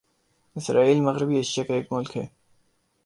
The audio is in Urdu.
اسرائیل مغربی ایشیا کا ایک ملک ہے